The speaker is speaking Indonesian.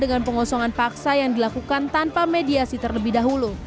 dengan pengosongan paksa yang dilakukan tanpa mediasi terlebih dahulu